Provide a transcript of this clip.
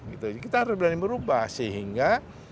jadi kita harus berani berubah sehingga